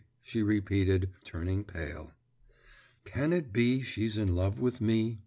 she repeated, turning pale. 'Can it be she's in love with me?